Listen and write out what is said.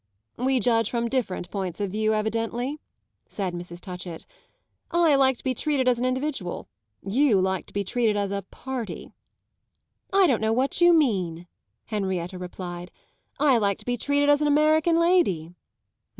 "We judge from different points of view, evidently," said Mrs. Touchett. "I like to be treated as an individual; you like to be treated as a 'party.'" "I don't know what you mean," Henrietta replied. "I like to be treated as an American lady."